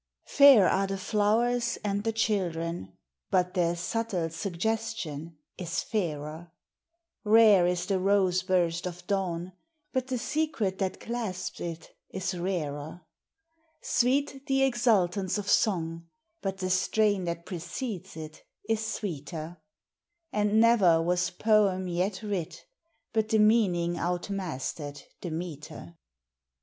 Fair are the flowers and the children, but their subtle suggestion is fairer ; Rare is the roseburst of dawn, but the secret that clasps it is rarer ; Sweet the exultance of song, but the strain that precedes it is sweeter ; And never was poem yet writ, but the meaning outmastered the metre.